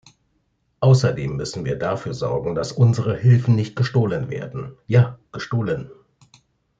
Außerdem müssen wir dafür sorgen, dass unsere Hilfen nicht gestohlen werden – ja, gestohlen!